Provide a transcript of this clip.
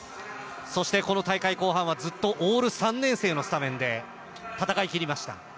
◆そして、この大会後半はずっとオール３年生のスタメンで戦いきりました。